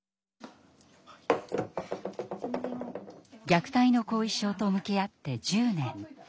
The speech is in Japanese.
虐待の後遺症と向き合って１０年。